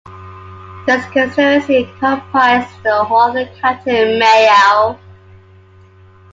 This constituency comprised the whole of County Mayo.